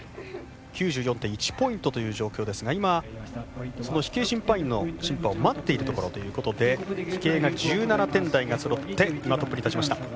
９４．１ポイントという状況ですが今、その飛型審判員の審判を待っているところということで飛型が１７点台がそろって今、トップに立ちました。